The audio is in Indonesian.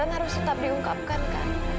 tapi kebenaran harus tetap diungkapkan kak